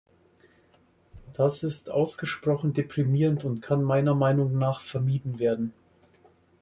Das ist ausgesprochen deprimierend und kann meiner Meinung nach vermieden werden.